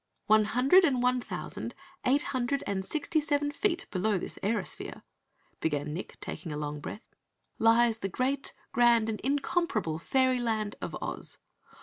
"One hundred and one thousand, eight hundred and sixty seven feet below this airosphere," began Nick, taking a long breath, "lies the great, grand and incomparable Fairyland of Oz.